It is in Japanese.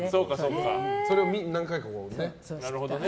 それを見に何回かね。